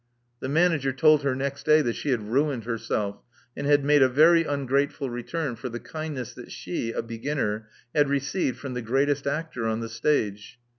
The manager told her next day that she had ruined herself, and had made a very ungrateful return for the kindness that she, a beginner, had received from the greatest actor on the stage.